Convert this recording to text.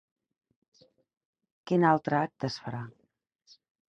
Quin altre acte es farà?